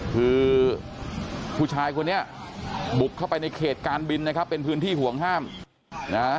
คือผู้ชายคนนี้บุกเข้าไปในเขตการบินนะครับเป็นพื้นที่ห่วงห้ามนะฮะ